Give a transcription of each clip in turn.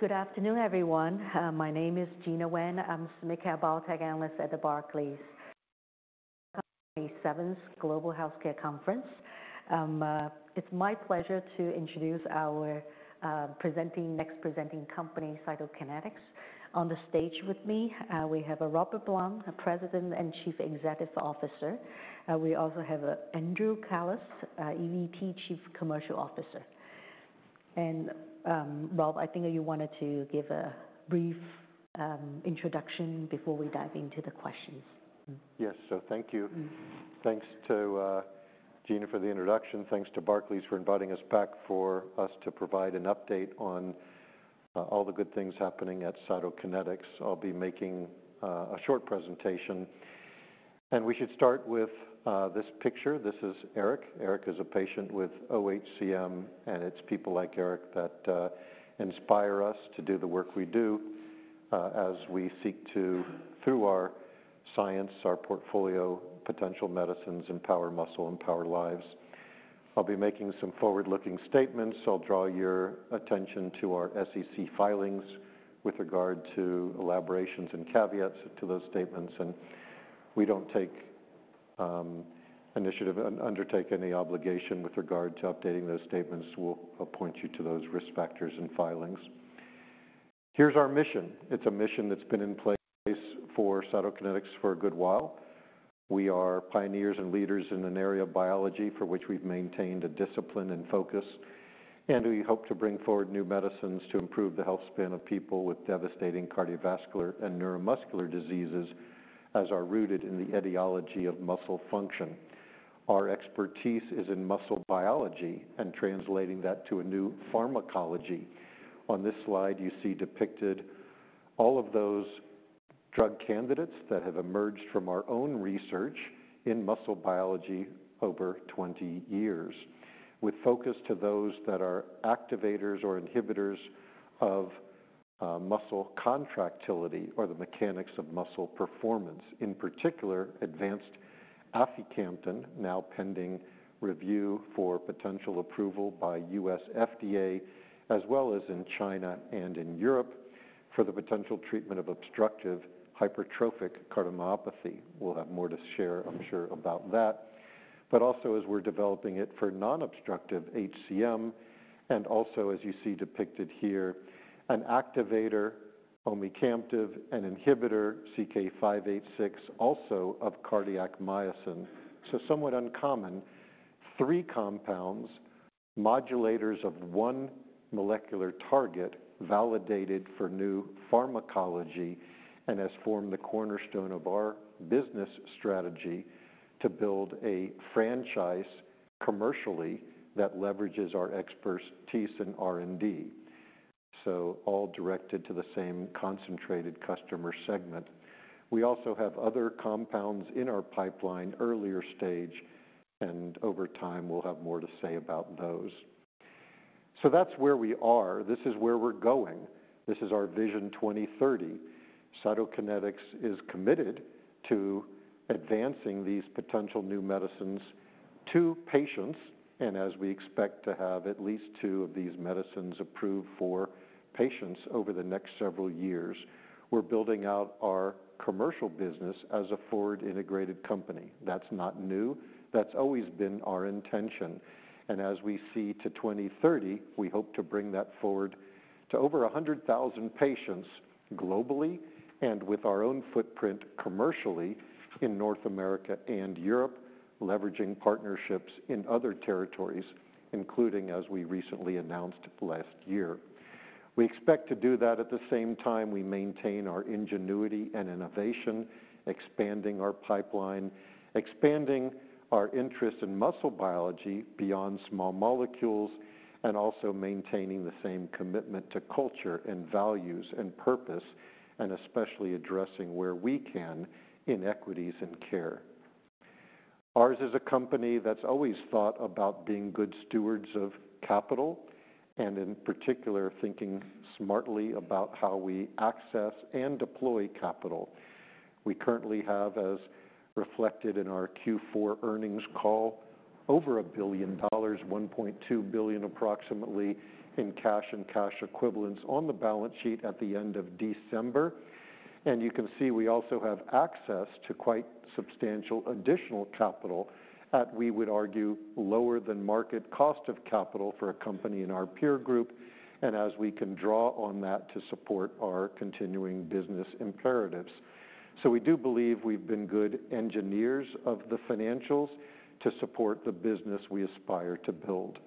Good afternoon, everyone. My name is Gena Wang. I'm a biotech analyst at the Barclays 7th Global Healthcare Conference. It's my pleasure to introduce our next presenting company, Cytokinetics. On the stage with me, we have Robert Blum, President and Chief Executive Officer. We also have Andrew Callos, EVP Chief Commercial Officer. Rob, I think you wanted to give a brief introduction before we dive into the questions. Yes, thank you. Thanks to Gena for the introduction. Thanks to Barclays for inviting us back for us to provide an update on all the good things happening at Cytokinetics. I'll be making a short presentation. We should start with this picture. This is Eric. Eric is a patient with OHCM, and it's people like Eric that inspire us to do the work we do as we seek to, through our science, our portfolio, potential medicines, empower muscle, empower lives. I'll be making some forward-looking statements. I'll draw your attention to our SEC filings with regard to elaborations and caveats to those statements. We do not take initiative and undertake any obligation with regard to updating those statements. We point you to those risk factors and filings. Here's our mission. It's a mission that's been in place for Cytokinetics for a good while. We are pioneers and leaders in an area of biology for which we've maintained a discipline and focus. We hope to bring forward new medicines to improve the healthspan of people with devastating cardiovascular and neuromuscular diseases as are rooted in the etiology of muscle function. Our expertise is in muscle biology and translating that to a new pharmacology. On this slide, you see depicted all of those drug candidates that have emerged from our own research in muscle biology over 20 years, with focus to those that are activators or inhibitors of muscle contractility or the mechanics of muscle performance. In particular, advanced aficamten, now pending review for potential approval by the US FDA, as well as in China and in Europe for the potential treatment of obstructive hypertrophic cardiomyopathy. We will have more to share, I'm sure, about that. Also, as we're developing it for non-obstructive HCM, and also, as you see depicted here, an activator, omecamtiv mecarbil, an inhibitor, CK-586, also of cardiac myosin. Somewhat uncommon, three compounds, modulators of one molecular target, validated for new pharmacology and has formed the cornerstone of our business strategy to build a franchise commercially that leverages our expertise in R&D. All directed to the same concentrated customer segment. We also have other compounds in our pipeline, earlier stage, and over time, we'll have more to say about those. That's where we are. This is where we're going. This is our vision 2030. Cytokinetics is committed to advancing these potential new medicines to patients. As we expect to have at least two of these medicines approved for patients over the next several years, we're building out our commercial business as a forward-integrated company. That's not new. That's always been our intention. As we see to 2030, we hope to bring that forward to over 100,000 patients globally with our own footprint commercially in North America and Europe, leveraging partnerships in other territories, including, as we recently announced last year. We expect to do that at the same time we maintain our ingenuity and innovation, expanding our pipeline, expanding our interest in muscle biology beyond small molecules, and also maintaining the same commitment to culture and values and purpose, and especially addressing where we can inequities in care. Ours is a company that's always thought about being good stewards of capital, and in particular, thinking smartly about how we access and deploy capital. We currently have, as reflected in our Q4 earnings call, over a billion dollars, $1.2 billion approximately, in cash and cash equivalents on the balance sheet at the end of December. You can see we also have access to quite substantial additional capital at, we would argue, lower than market cost of capital for a company in our peer group. We can draw on that to support our continuing business imperatives. We do believe we've been good engineers of the financials to support the business we aspire to build.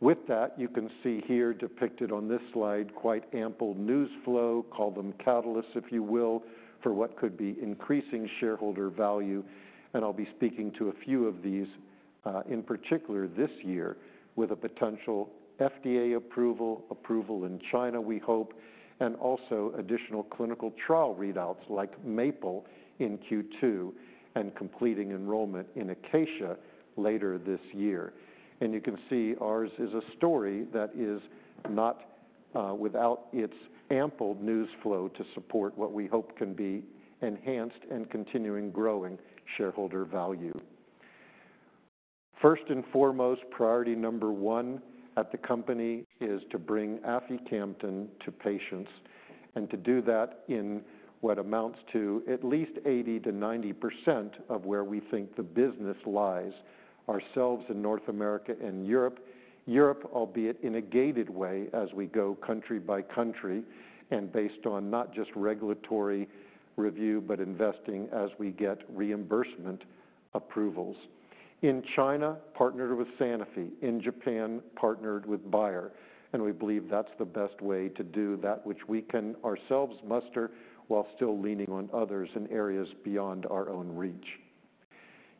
With that, you can see here depicted on this slide quite ample news flow, call them catalysts, if you will, for what could be increasing shareholder value. I'll be speaking to a few of these, in particular this year, with a potential FDA approval, approval in China, we hope, and also additional clinical trial readouts like MAPLE in Q2 and completing enrollment in Acacia later this year. You can see ours is a story that is not without its ample news flow to support what we hope can be enhanced and continuing growing shareholder value. First and foremost, priority number one at the company is to bring aficamten to patients. To do that in what amounts to at least 80-90% of where we think the business lies, ourselves in North America and Europe, Europe, albeit in a gated way as we go country by country and based on not just regulatory review, but investing as we get reimbursement approvals. In China, partnered with Sanofi. In Japan, partnered with Bayer. We believe that is the best way to do that, which we can ourselves muster while still leaning on others in areas beyond our own reach.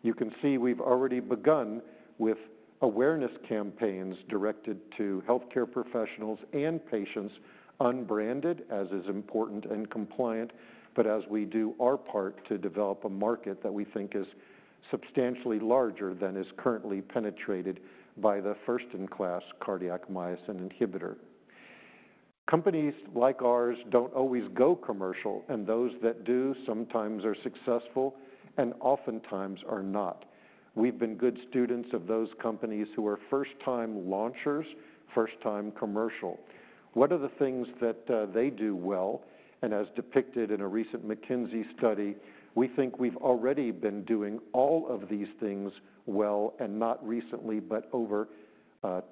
You can see we've already begun with awareness campaigns directed to healthcare professionals and patients, unbranded as is important and compliant, as we do our part to develop a market that we think is substantially larger than is currently penetrated by the first-in-class cardiac myosin inhibitor. Companies like ours don't always go commercial, and those that do sometimes are successful and oftentimes are not. We've been good students of those companies who are first-time launchers, first-time commercial. What are the things that they do well? As depicted in a recent McKinsey study, we think we've already been doing all of these things well and not recently, but over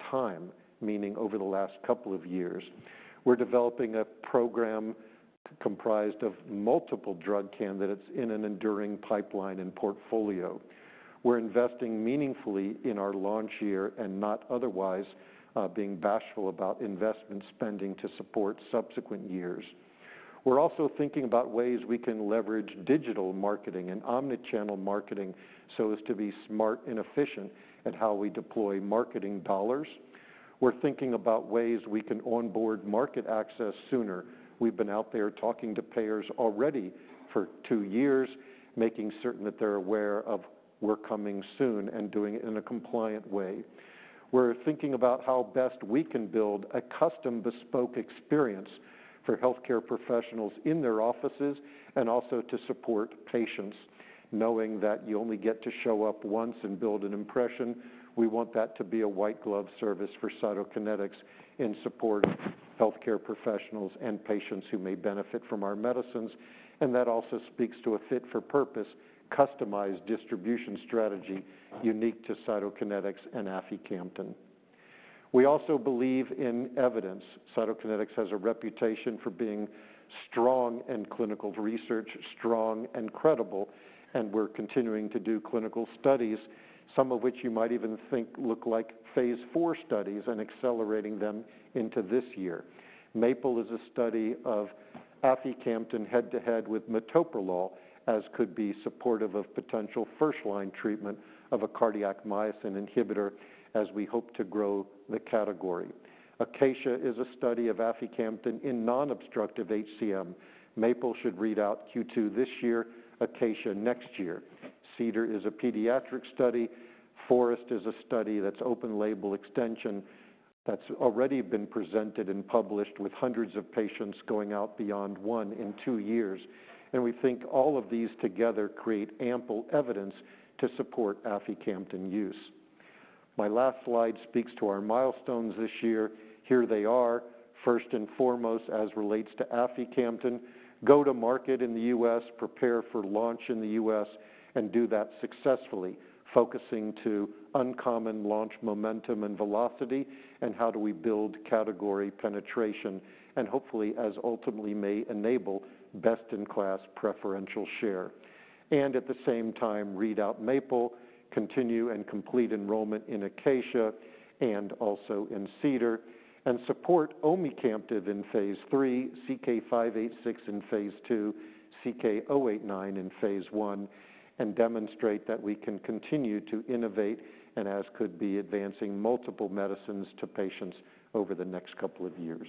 time, meaning over the last couple of years. We're developing a program comprised of multiple drug candidates in an enduring pipeline and portfolio. We're investing meaningfully in our launch year and not otherwise, being bashful about investment spending to support subsequent years. We're also thinking about ways we can leverage digital marketing and omnichannel marketing so as to be smart and efficient at how we deploy marketing dollars. We're thinking about ways we can onboard market access sooner. We've been out there talking to payers already for two years, making certain that they're aware of we're coming soon and doing it in a compliant way. We're thinking about how best we can build a custom bespoke experience for healthcare professionals in their offices and also to support patients, knowing that you only get to show up once and build an impression. We want that to be a white-glove service for Cytokinetics in support of healthcare professionals and patients who may benefit from our medicines. That also speaks to a fit for purpose, customized distribution strategy unique to Cytokinetics and aficamten. We also believe in evidence. Cytokinetics has a reputation for being strong in clinical research, strong and credible, and we're continuing to do clinical studies, some of which you might even think look like phase four studies and accelerating them into this year. MAPLE is a study of aficamten head-to-head with metoprolol, as could be supportive of potential first-line treatment of a cardiac myosin inhibitor as we hope to grow the category. Acacia is a study of aficamten in non-obstructive HCM. MAPLE should read out Q2 this year, Acacia next year. CEDAR is a pediatric study. FOREST is a study that's open-label extension that's already been presented and published with hundreds of patients going out beyond one and two years. We think all of these together create ample evidence to support aficamten use. My last slide speaks to our milestones this year. Here they are. First and foremost, as relates to aficamten, go to market in the US, prepare for launch in the US, and do that successfully, focusing to uncommon launch momentum and velocity and how do we build category penetration and hopefully, as ultimately may enable best-in-class preferential share. At the same time, read out MAPLE, continue and complete enrollment in Acacia and also in CEDAR, and support omecamtiv mecarbil in phase three, CK-586 in phase two, CK-089 in phase one, and demonstrate that we can continue to innovate and, as could be, advancing multiple medicines to patients over the next couple of years.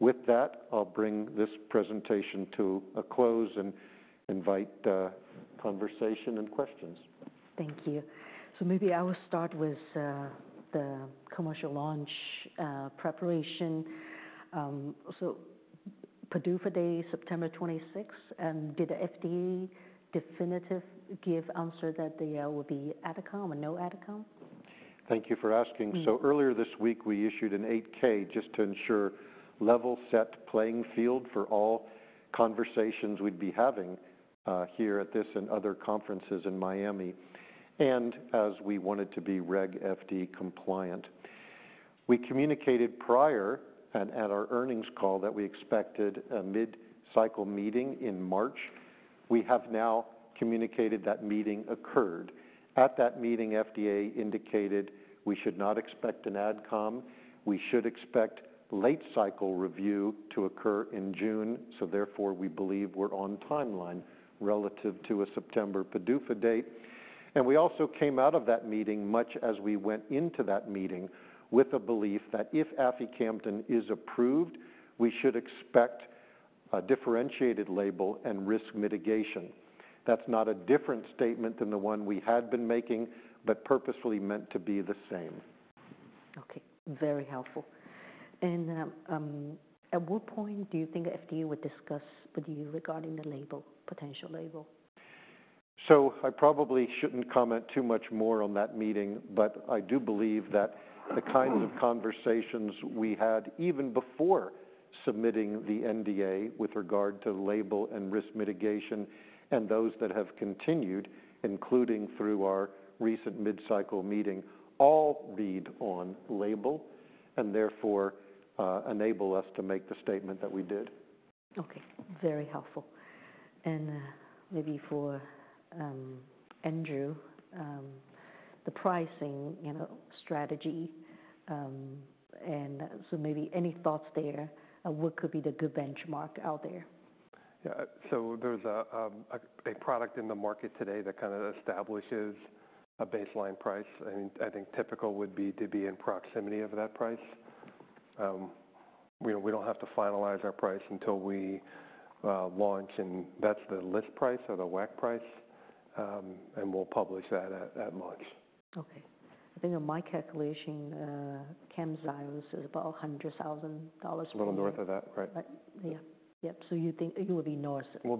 With that, I'll bring this presentation to a close and invite conversation and questions. Thank you. Maybe I will start with the commercial launch preparation. PDUFA for September 26. Did the FDA definitively give an answer that there will be ADCOM or no ADCOM? Thank you for asking. Earlier this week, we issued an 8K just to ensure level-set playing field for all conversations we'd be having here at this and other conferences in Miami. As we wanted to be Reg FD compliant, we communicated prior and at our earnings call that we expected a mid-cycle meeting in March. We have now communicated that meeting occurred. At that meeting, FDA indicated we should not expect an ADCOM. We should expect late-cycle review to occur in June. Therefore, we believe we're on timeline relative to a September PDUFA date. We also came out of that meeting, much as we went into that meeting, with a belief that if aficamten is approved, we should expect a differentiated label and risk mitigation. That's not a different statement than the one we had been making, but purposefully meant to be the same. Okay. Very helpful. At what point do you think FDA would discuss with you regarding the label, potential label? I probably shouldn't comment too much more on that meeting, but I do believe that the kinds of conversations we had even before submitting the NDA with regard to label and risk mitigation and those that have continued, including through our recent mid-cycle meeting, all read on label and therefore enable us to make the statement that we did. Okay. Very helpful. Maybe for Andrew, the pricing strategy, and maybe any thoughts there, what could be the good benchmark out there? Yeah. There is a product in the market today that kind of establishes a baseline price. I think typical would be to be in proximity of that price. We do not have to finalize our price until we launch, and that is the list price or the WAC price. We will publish that at launch. Okay. I think in my calculation, Camzyos is about $100,000. A little north of that, right? Yeah. Yeah. You think it will be north? We'll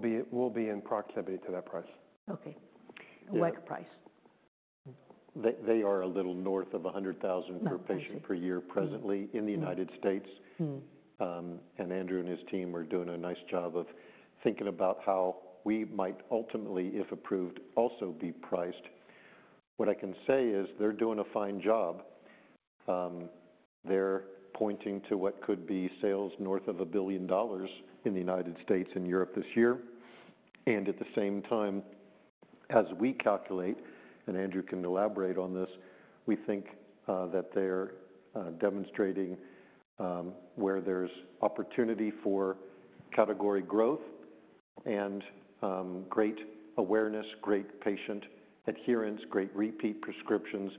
be in proximity to that price. Okay. WAC price? They are a little north of $100,000 per patient per year presently in the United States. Andrew and his team are doing a nice job of thinking about how we might ultimately, if approved, also be priced. What I can say is they're doing a fine job. They're pointing to what could be sales north of a billion dollars in the United States and Europe this year. At the same time, as we calculate, and Andrew can elaborate on this, we think that they're demonstrating where there's opportunity for category growth and great awareness, great patient adherence, great repeat prescriptions,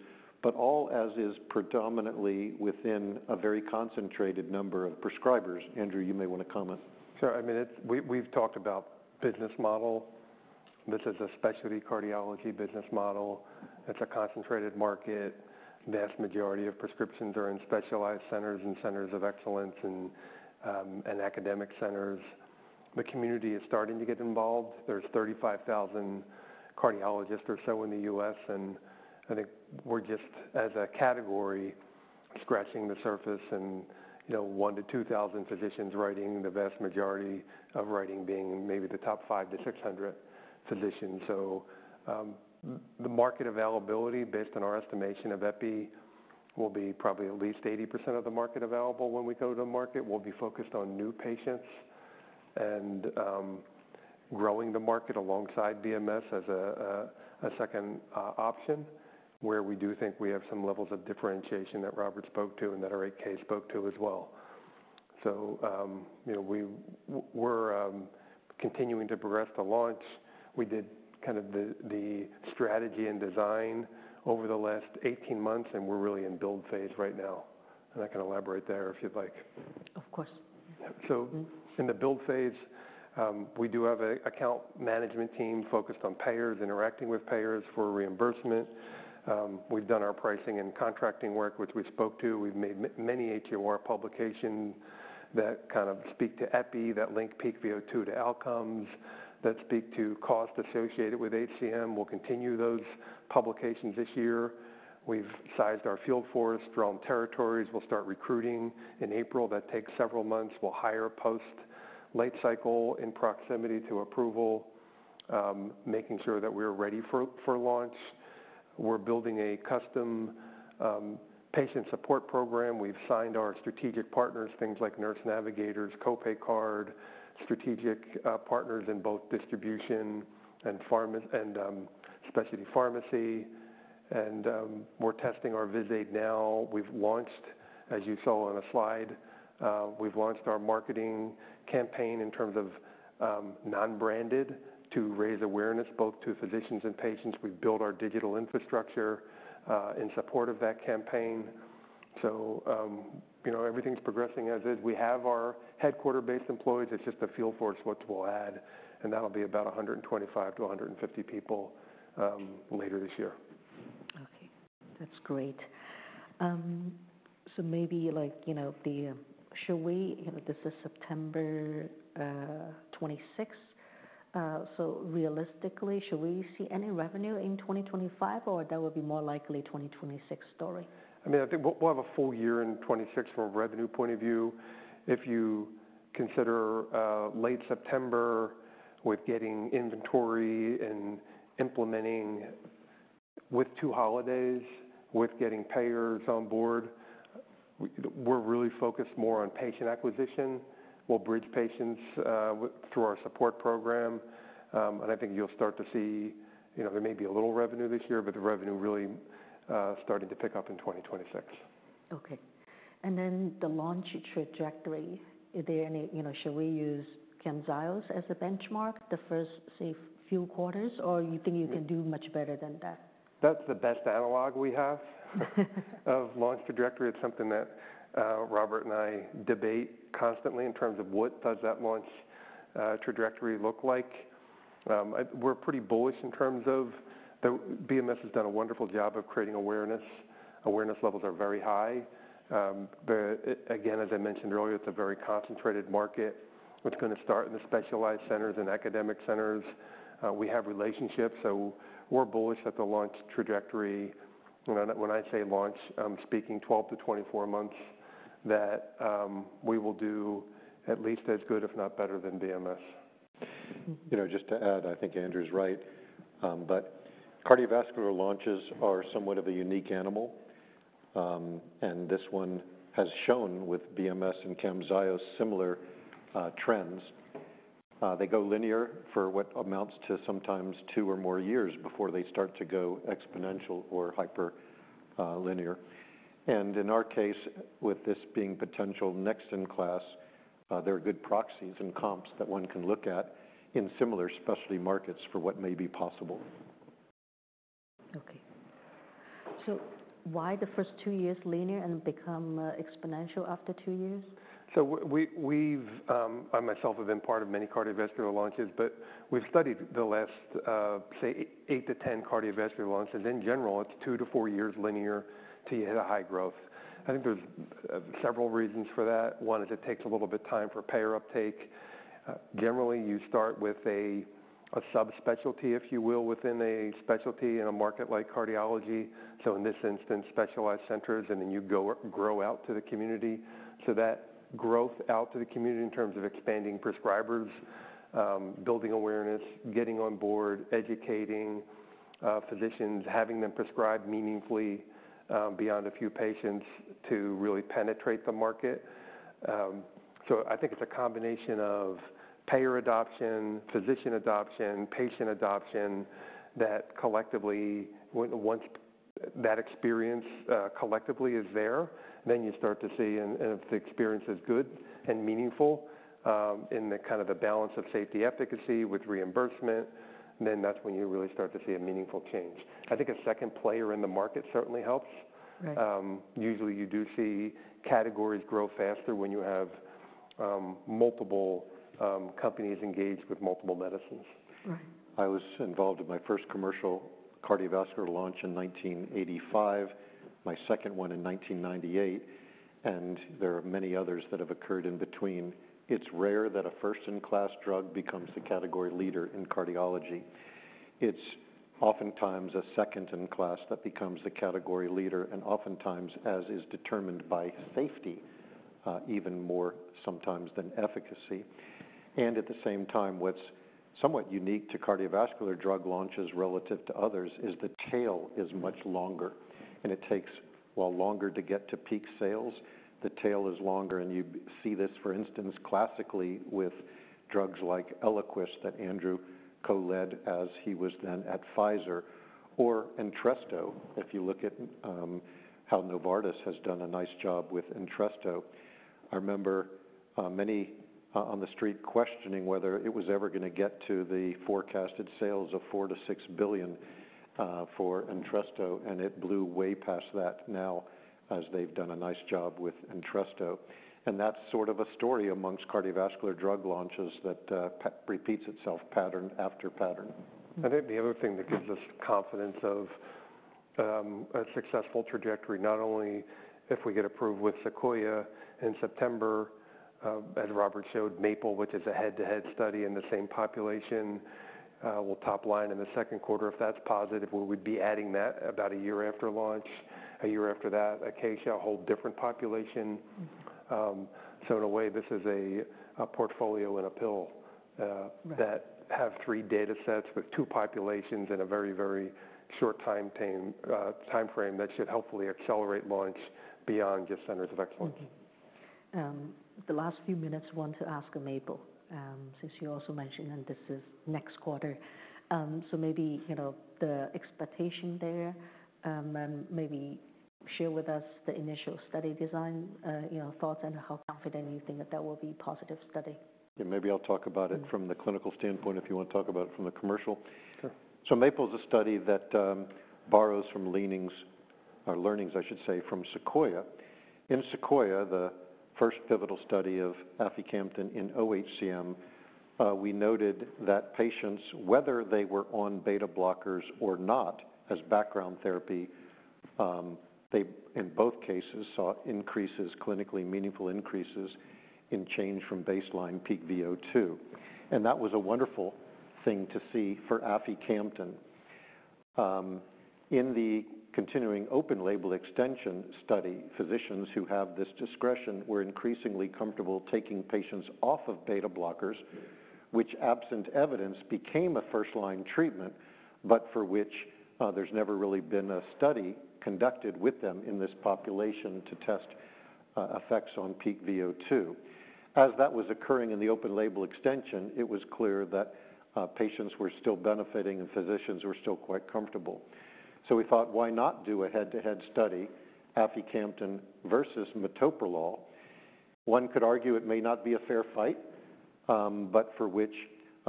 but all as is predominantly within a very concentrated number of prescribers. Andrew, you may want to comment. Sure. I mean, we've talked about business model. This is a specialty cardiology business model. It's a concentrated market. The vast majority of prescriptions are in specialized centers and centers of excellence and academic centers. The community is starting to get involved. There's 35,000 cardiologists or so in the US, and I think we're just, as a category, scratching the surface and 1,000-2,000 physicians writing, the vast majority of writing being maybe the top 5,000-6,000 physicians. The market availability, based on our estimation of EPI, will be probably at least 80% of the market available when we go to the market. We'll be focused on new patients and growing the market alongside BMS as a second option, where we do think we have some levels of differentiation that Robert spoke to and that our 8K spoke to as well. We're continuing to progress the launch. We did kind of the strategy and design over the last 18 months, and we're really in build phase right now. I can elaborate there if you'd like. Of course. In the build phase, we do have an account management team focused on payers, interacting with payers for reimbursement. We've done our pricing and contracting work, which we spoke to. We've made many HEOR publications that kind of speak to EPI, that link Peak VO2 to outcomes, that speak to cost associated with HCM. We'll continue those publications this year. We've sized our field force, drawn territories. We'll start recruiting in April. That takes several months. We'll hire post-late cycle in proximity to approval, making sure that we're ready for launch. We're building a custom patient support program. We've signed our strategic partners, things like Nurse Navigators, Copay Card, strategic partners in both distribution and specialty pharmacy. We're testing our visual aid now. As you saw on a slide, we've launched our marketing campaign in terms of non-branded to raise awareness both to physicians and patients. have built our digital infrastructure in support of that campaign. Everything is progressing as is. We have our headquarter-based employees. It is just a field force which we will add, and that will be about 125-150 people later this year. Okay. That's great. Maybe should we, this is September 26th. Realistically, should we see any revenue in 2025, or would that be more likely a 2026 story? I mean, I think we'll have a full year in 2026 from a revenue point of view. If you consider late September with getting inventory and implementing with two holidays, with getting payers on board, we're really focused more on patient acquisition. We'll bridge patients through our support program. I think you'll start to see there may be a little revenue this year, but the revenue really starting to pick up in 2026. Okay. And then the launch trajectory, are there any should we use Camzyos as a benchmark the first, say, few quarters, or you think you can do much better than that? That's the best analog we have of launch trajectory. It's something that Robert and I debate constantly in terms of what does that launch trajectory look like. We're pretty bullish in terms of that BMS has done a wonderful job of creating awareness. Awareness levels are very high. Again, as I mentioned earlier, it's a very concentrated market. It's going to start in the specialized centers and academic centers. We have relationships. So we're bullish that the launch trajectory, when I say launch, I'm speaking 12-24 months, that we will do at least as good, if not better, than BMS. Just to add, I think Andrew's right. Cardiovascular launches are somewhat of a unique animal. This one has shown with BMS and Camzyos similar trends. They go linear for what amounts to sometimes two or more years before they start to go exponential or hyperlinear. In our case, with this being potential next-in-class, there are good proxies and comps that one can look at in similar specialty markets for what may be possible. Okay. Why are the first two years linear and become exponential after two years? I myself have been part of many cardiovascular launches, but we've studied the last, say, 8-10 cardiovascular launches. In general, it's 2-4 years linear to get a high growth. I think there's several reasons for that. One is it takes a little bit of time for payer uptake. Generally, you start with a sub-specialty, if you will, within a specialty in a market like cardiology. In this instance, specialized centers, and then you grow out to the community. That growth out to the community in terms of expanding prescribers, building awareness, getting on board, educating physicians, having them prescribe meaningfully beyond a few patients to really penetrate the market. I think it's a combination of payer adoption, physician adoption, patient adoption that collectively, once that experience collectively is there, you start to see if the experience is good and meaningful in kind of the balance of safety efficacy with reimbursement. That's when you really start to see a meaningful change. I think a second player in the market certainly helps. Usually, you do see categories grow faster when you have multiple companies engaged with multiple medicines. I was involved in my first commercial cardiovascular launch in 1985, my second one in 1998, and there are many others that have occurred in between. It's rare that a first-in-class drug becomes the category leader in cardiology. It's oftentimes a second-in-class that becomes the category leader, and oftentimes, as is determined by safety, even more sometimes than efficacy. At the same time, what's somewhat unique to cardiovascular drug launches relative to others is the tail is much longer. It takes while longer to get to peak sales, the tail is longer. You see this, for instance, classically with drugs like Eliquis that Andrew co-led as he was then at Pfizer or Entresto. If you look at how Novartis has done a nice job with Entresto, I remember many on the street questioning whether it was ever going to get to the forecasted sales of $4 billion-$6 billion for Entresto, and it blew way past that now as they've done a nice job with Entresto. That is sort of a story amongst cardiovascular drug launches that repeats itself pattern after pattern. I think the other thing that gives us confidence of a successful trajectory, not only if we get approved with SEQUOIA in September, as Robert showed, MAPLE, which is a head-to-head study in the same population, will top line in the second quarter. If that's positive, we would be adding that about a year after launch. A year after that, a case shall hold different population. So in a way, this is a portfolio and a pill that have three data sets with two populations in a very, very short time frame that should hopefully accelerate launch beyond just centers of excellence. The last few minutes, I want to ask MAPLE, since you also mentioned this is next quarter. Maybe the expectation there, maybe share with us the initial study design thoughts and how confident you think that that will be a positive study. Yeah. Maybe I'll talk about it from the clinical standpoint if you want to talk about it from the commercial. Sure. MAPLE is a study that borrows from learnings, or learnings, I should say, from SEQUOIA. In SEQUOIA, the first pivotal study of aficamten in OHCM, we noted that patients, whether they were on beta blockers or not as background therapy, they in both cases saw increases, clinically meaningful increases in change from baseline Peak VO2. That was a wonderful thing to see for aficamten. In the continuing open label extension study, physicians who have this discretion were increasingly comfortable taking patients off of beta blockers, which absent evidence became a first-line treatment, but for which there's never really been a study conducted with them in this population to test effects on Peak VO2. As that was occurring in the open label extension, it was clear that patients were still benefiting and physicians were still quite comfortable. We thought, why not do a head-to-head study, aficamten versus metoprolol? One could argue it may not be a fair fight, but for which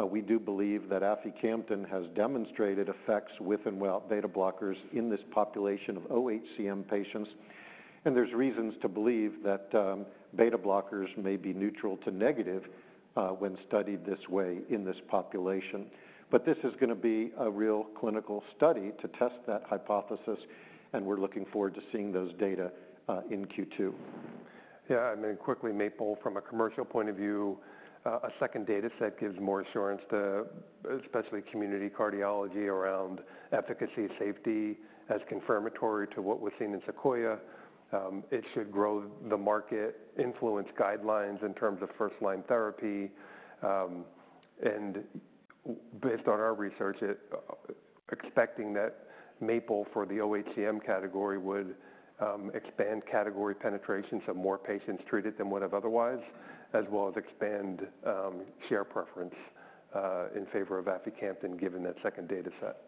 we do believe that aficamten has demonstrated effects with and without beta blockers in this population of OHCM patients. There are reasons to believe that beta blockers may be neutral to negative when studied this way in this population. This is going to be a real clinical study to test that hypothesis, and we're looking forward to seeing those data in Q2. Yeah. I mean, quickly, MAPLE, from a commercial point of view, a second data set gives more assurance to especially community cardiology around efficacy, safety as confirmatory to what was seen in SEQUOIA. It should grow the market, influence guidelines in terms of first-line therapy. Based on our research, expecting that MAPLE for the OHCM category would expand category penetrations of more patients treated than would have otherwise, as well as expand share preference in favor of aficamten given that second data set.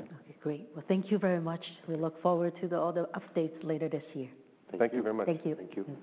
Okay. Great. Thank you very much. We look forward to all the updates later this year. Thank you very much. Thank you. Thank you.